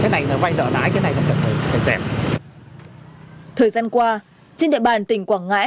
thời gian qua trên địa bàn tỉnh quảng ngãi